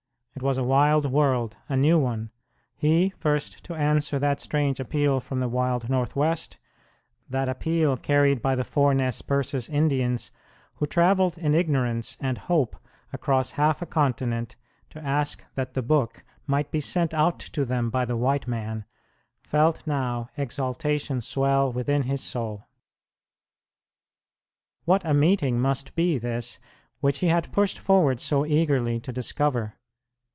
It was a wild world, a new one. He, first to answer that strange appeal from the wild Northwest, that appeal carried by the four Nez Perces Indians, who travelled in ignorance and hope across half a continent to ask that the Book might be sent out to them by the white man, felt now exaltation swell within his soul. What a meeting must be this, which he had pushed forward so eagerly to discover!